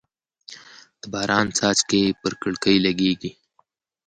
د باران څاڅکي پر کړکۍ لګېږي.